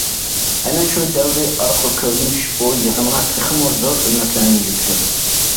ئەنە شۇ دەۋرىي ئارقا كۆرۈنۈش بۇ يىغىنغا تېخىمۇ زور ئۈمىدلەرنى يۈكلىدى.